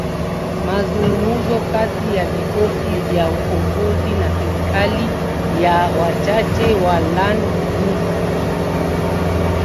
Mazungumzo kati ya vikosi vya ukombozi na serikali ya wachache ya Ian Smith